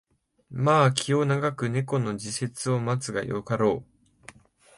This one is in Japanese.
まあ気を永く猫の時節を待つがよかろう